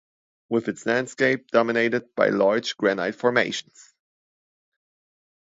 With its landscape dominated by large granite formations.